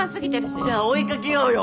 じゃあ追いかけようよ。